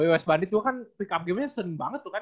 wos bandit tuh kan pickup gamenya sen banget tuh kan